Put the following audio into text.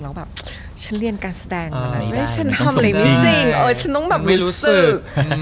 เราก็แบบฉันเรียนการแสดงก่อนนะไม่ได้ฉันทำอะไรไม่จริงฉันต้องแบบรู้สึก